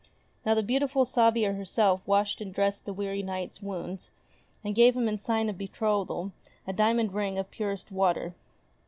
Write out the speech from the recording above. Now the beautiful Sabia herself washed and dressed the weary Knight's wounds, and gave him in sign of betrothal a diamond ring of purest water.